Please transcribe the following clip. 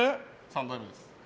３代目です。